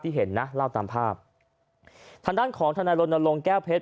ที่เห็นนะเล่าตามภาพท่านด้านของท่านาลนลงแก้วเพชร